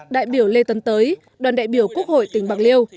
đại biểu lê tấn tới đoàn đại biểu quốc hội tỉnh bạc liêu